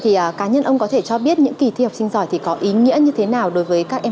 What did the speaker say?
thì cá nhân ông có thể cho biết những kỳ thi học sinh giỏi thì có ý nghĩa như thế nào đối với các em